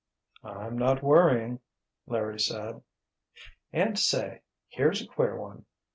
"I'm not worrying," Larry said. "And say—here's a queer one."